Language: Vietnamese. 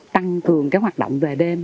tăng cường hoạt động về đêm